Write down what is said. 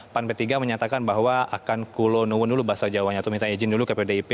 pan p tiga menyatakan bahwa akan kulonu dulu bahasa jawanya atau minta izin dulu ke pdip